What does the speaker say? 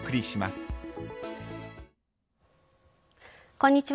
こんにちは。